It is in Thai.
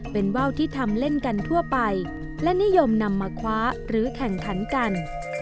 เป็นว่าวที่ทำเล่นกันทั่วไปและนิยมนำมาคว้าหรือแข่งขันกัน